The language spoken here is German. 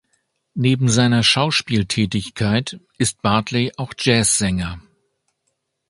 Neben seiner Schauspieltätigkeit ist Bartley auch Jazzsänger.